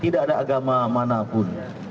tidak ada agama manapun